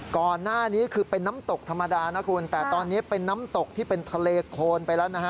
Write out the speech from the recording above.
ก่อนหน้านี้คือเป็นน้ำตกธรรมดานะคุณแต่ตอนนี้เป็นน้ำตกที่เป็นทะเลโคนไปแล้วนะฮะ